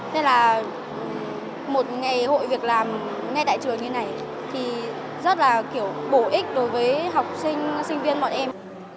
nên là một ngày hội việc làm ngay tại trường như này thì rất là kiểu bổ ích đối với học sinh sinh viên bọn em